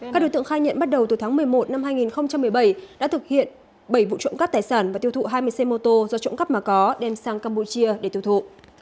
các đối tượng khai nhận bắt đầu từ tháng một mươi một năm hai nghìn một mươi bảy đã thực hiện bảy vụ trộm cắp tài sản và tiêu thụ hai mươi xe mô tô do trộm cắp mà có đem sang campuchia để tiêu thụ